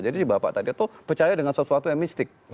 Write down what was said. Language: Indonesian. jadi si bapak tadi itu percaya dengan sesuatu yang mistik